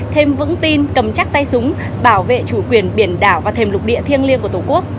thêm vững tin cầm chắc tay súng bảo vệ chủ quyền biển đảo và thềm lục địa thiêng liêng của tổ quốc